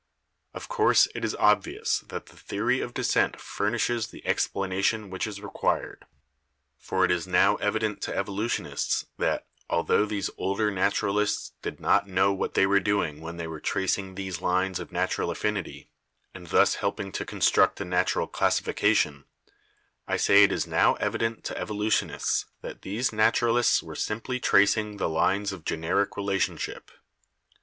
"Of course it is obvious that the theory of descent fur nishes the explanation which is required. For it is now evident to evolutionists that, altho these older naturalists 166 BIOLOGY did not know what they were doing when they were trac ing these lines of natural affinity, and thus helping to con struct a natural classification — I say it is now evident to evolutionists that these naturalists were simply tracing the lines of generic relationship.